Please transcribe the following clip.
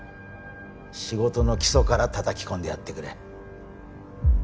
仕事の基礎からたたき込んでやってくれ。